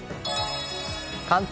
関東